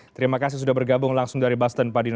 terima kasih sudah bergabung langsung dari boston pak dino